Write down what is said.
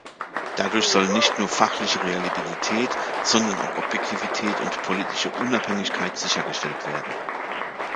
Dadurch sollen nicht nur fachliche Reliabilität, sondern auch Objektivität und politische Unabhängigkeit sichergestellt werden.